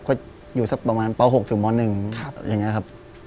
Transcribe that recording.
เพราะอยู่ประมาณป๖ถึงป๑อย่างนี้ครับ